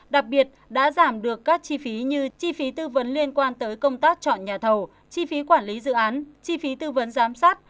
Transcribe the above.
đặc biệt đã giảm được các chi phí như chi phí tư vấn liên quan tới công tác chọn nhà thầu chi phí quản lý dự án chi phí tư vấn giám sát